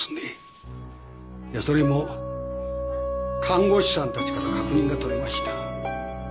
それも看護師さんたちから確認が取れました。